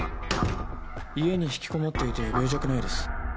家に引きこもっていて病弱なようです。